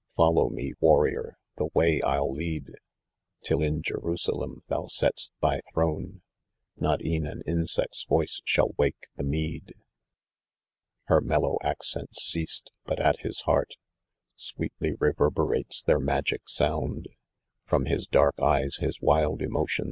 Follow me, warrior ; the way 1*11 lead, Till in Jerusalem thou sett'st thy throne, Not ev'n an insect's voice shall wake the mead»" Her mellow accents ceased, but at his heart Sweetly reverberates their magic sound ; From hU dark eyes bis wild emotion?